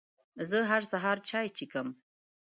زه هر سهار چای څښم.